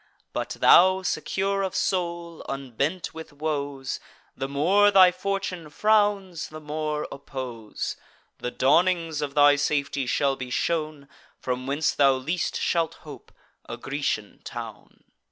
But thou, secure of soul, unbent with woes, The more thy fortune frowns, the more oppose. The dawnings of thy safety shall be shown From whence thou least shalt hope, a Grecian town."